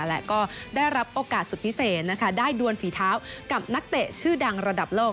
และก็ได้รับโอกาสสุดพิเศษนะคะได้ดวนฝีเท้ากับนักเตะชื่อดังระดับโลก